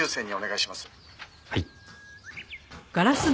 はい。